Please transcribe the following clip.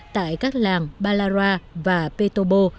tại các làng balara và petobo